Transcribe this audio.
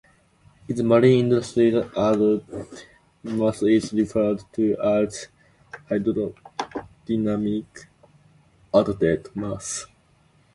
In the marine industry, added mass is referred to as hydrodynamic added mass.